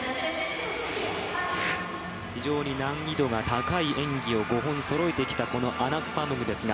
非常に難易度が高い演技を５本そろえてきたアナクパムグですが。